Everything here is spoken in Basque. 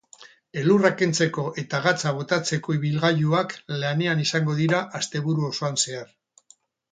Elurra kentzeko eta gatza botatzeko ibilgailuak lanean izango dira asteburu osoan zehar.